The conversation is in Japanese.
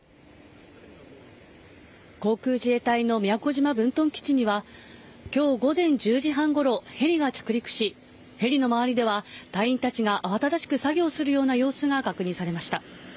航空自衛隊の宮古島分屯基地には、きょう午前１０時半ごろ、ヘリが着陸し、ヘリの周りでは隊員たちが慌ただしく作業するような様子が確認されました。